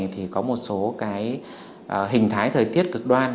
thì có một số hình thái thời tiết cực đoan